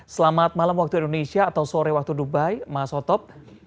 selamat malam waktu indonesia atau sore waktu dubai mas otop